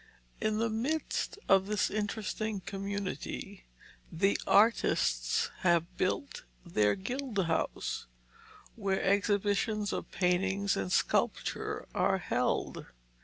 In the midst of this interesting community, the artists have built their Guild House, where exhibitions of paintings and sculpture are held.